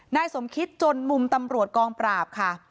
นายสมคิดจนมุมตำรวจกองปราบค่ะ